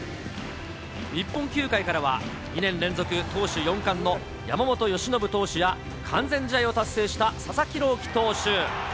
日本球界からは、２年連続投手４冠の山本由伸投手や、完全試合を達成した佐々木朗希投手。